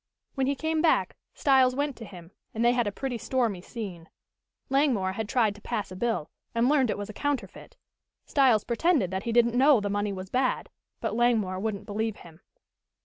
When he came back Styles went to him and they had a pretty stormy scene. Langmore had tried to pass a bill, and learned it was a counterfeit. Styles pretended that he didn't know the money was bad, but Langmore wouldn't believe him.